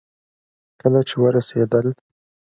کله چې ورسېدل